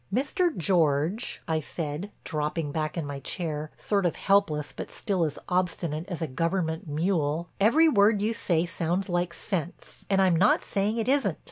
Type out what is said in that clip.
"Mr. George," I said, dropping back in my chair sort of helpless but still as obstinate as a government mule, "every word you say sounds like sense and I'm not saying it isn't.